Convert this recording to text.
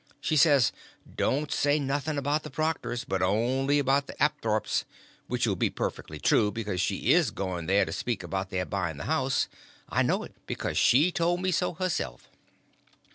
She said, don't say nothing about the Proctors, but only about the Apthorps—which 'll be perfectly true, because she is going there to speak about their buying the house; I know it, because she told me so herself."